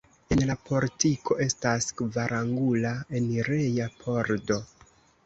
En la portiko estas kvarangula enireja pordo.